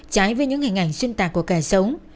trái với những hình ảnh xuyên tạc của kẻ xấu